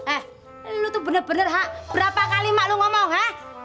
eh lo tuh bener bener hah berapa kali mbak lo ngomong hah